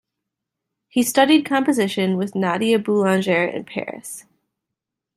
He studied composition with Nadia Boulanger in Paris.